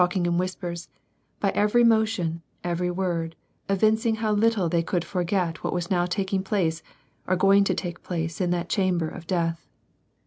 War and p^Acn, 99 ing in whispers, by every motion, every word, evincing how lit tle they could forget what was now taking place or going to take place in that chamber of death.